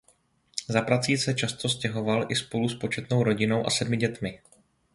Za prací se často stěhoval i spolu s početnou rodinou a sedmi dětmi.